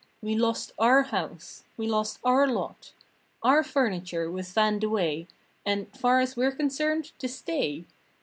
We lost our house! We lost our lot! Our furniture was vanned away And, far as we're concerned, to stay!